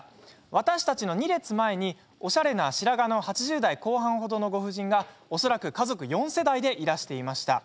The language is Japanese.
私たちの２列前におしゃれな姿の８０代後半ほどのご婦人が恐らく家族４世代でいらしていました。